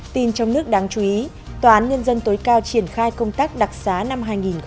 tin trong nước đáng chú ý tòa án nhân dân tối cao triển khai công tác đặc xá năm hai nghìn một mươi chín